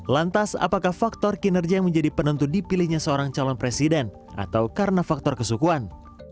lantas apakah faktor kinerja yang menjadi penentu dipilihnya seorang calon presiden atau karena faktor kesukuan